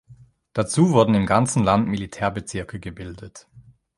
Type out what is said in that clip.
Dazu wurden im ganzen Land Militärbezirke gebildet.